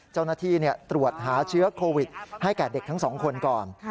เจ้าหน้าที่ตรวจหาเชื้อโควิดให้แก่เด็กทั้งสองคนก่อน